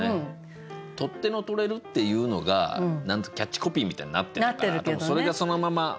「取っ手の取れる」っていうのがキャッチコピーみたいなのになってるからそれがそのまま。